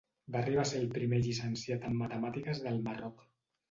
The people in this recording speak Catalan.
Va arribar a ser el primer llicenciat en matemàtiques del Marroc.